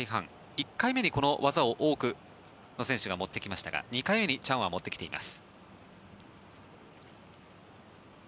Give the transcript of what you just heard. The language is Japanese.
１回目にこの技を多くの選手が持ってきましたが２回目にチャンは持ってきています。